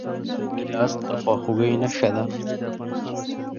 ګیلاس د خواخوږۍ نښه ده.